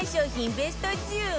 ベスト１５